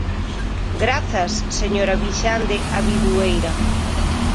Grazas, señora Vixande Abidueira.